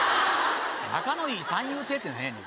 仲のいい三遊亭って何やねん！